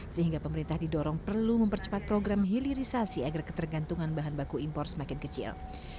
sehingga pemerintah didorong perlu mempercepat program hilirisasi agar ketergantungan bahan baku impor semakin kecil